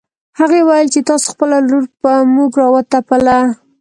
هغې ويل چې تاسو خپله لور په موږ راوتپله